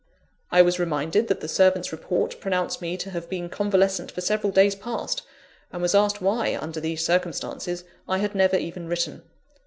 I was reminded that the servant's report pronounced me to have been convalescent for several days past: and was asked why, under these circumstances, I had never even written.